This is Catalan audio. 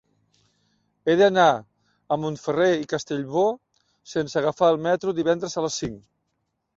He d'anar a Montferrer i Castellbò sense agafar el metro divendres a les cinc.